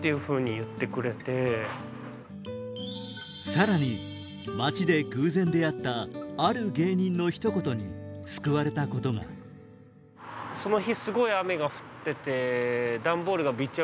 さらに街で偶然出会ったある芸人のひと言に救われたことが誰かな？と思ったら。